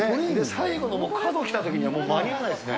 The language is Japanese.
最後の角来たときには、間に合わないですね。